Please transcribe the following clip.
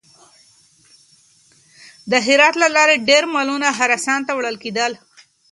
د هرات له لارې ډېر مالونه خراسان ته وړل کېدل.